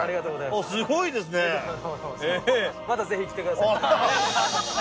またぜひ来てください。